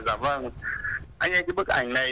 anh em cái bức ảnh này